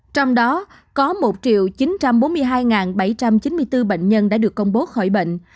trong đó có một chín trăm bốn mươi hai bảy trăm chín mươi bốn bệnh nhân đã được công bố khỏi bệnh